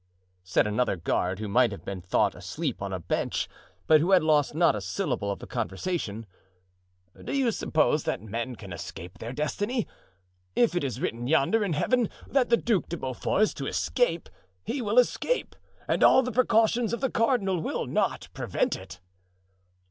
said another guard, who might have been thought asleep on a bench, but who had lost not a syllable of the conversation, "do you suppose that men can escape their destiny? If it is written yonder, in Heaven, that the Duc de Beaufort is to escape, he will escape; and all the precautions of the cardinal will not prevent it."